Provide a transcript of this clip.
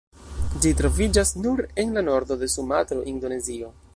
Ĝi troviĝas nur en la nordo de Sumatro, Indonezio.